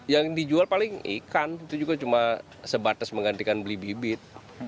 yang dijual paling ikan itu juga cuma sebatas menggantikan beli bibit